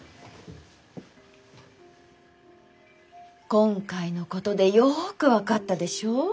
今回のことでよく分かったでしょ？